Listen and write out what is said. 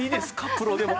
プロでも。